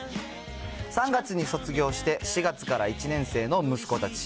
３月に卒業して、４月から１年生の息子たち。